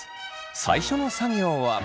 最初の作業は。